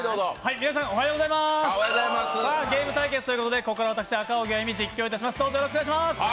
皆さん、おはようございますゲーム対決ということでここから私・赤荻歩実況いたします。